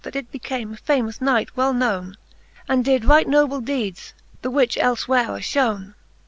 That it became a famous knight well knowne. And did rigjit noble deedes, the which elfewhere are fhowne.